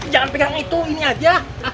jangan pegang itu ini aja